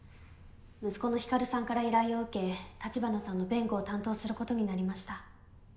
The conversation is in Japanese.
息子の光さんから依頼を受け立花さんの弁護を担当することになりました。